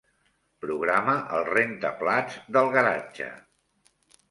Programa el rentaplats del garatge.